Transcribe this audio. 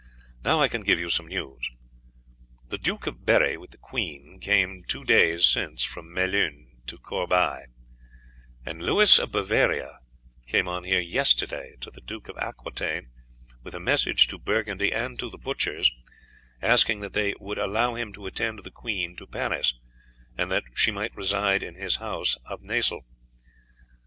Now I can give you some news. The Duke of Berri with the queen came two days since from Melun to Corbeil, and Louis of Bavaria came on here yesterday to the Duke of Aquitaine with a message to Burgundy and to the butchers, asking that they would allow him to attend the queen to Paris, and that she might reside in his house of Nasle.